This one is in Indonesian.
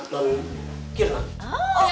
gak ada temennya